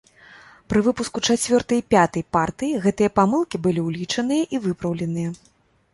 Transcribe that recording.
Пры выпуску чацвёртай і пятай партыі гэтыя памылкі былі улічаныя і выпраўленыя.